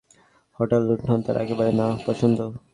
হত্যা-লুণ্ঠন তার একেবারে না পছন্দ।